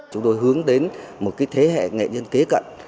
chúng tôi hướng đến một thế hệ nghệ nhân kế cận